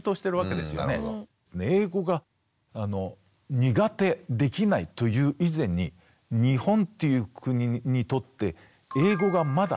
英語が「苦手」「できない」という以前に日本という国にとって英語がまだ必然になってないんだな